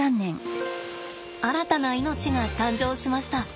新たな命が誕生しました。